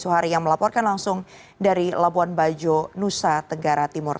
suhari yang melaporkan langsung dari labuan bajo nusa tenggara timur